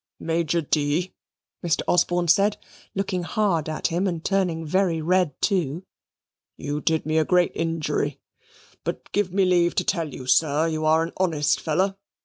"Major D.," Mr. Osborne said, looking hard at him and turning very red too "you did me a great injury; but give me leave to tell you, sir, you are an honest feller.